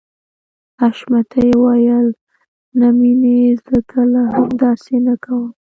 حشمتي وويل نه مينې زه کله هم داسې نه کوم.